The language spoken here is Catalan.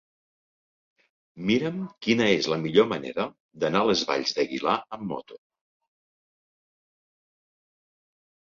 Mira'm quina és la millor manera d'anar a les Valls d'Aguilar amb moto.